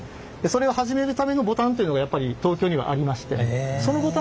それを始めるためのボタンというのがやっぱり東京にはありましてえっ！